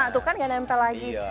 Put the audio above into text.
tuh kan nggak nempel lagi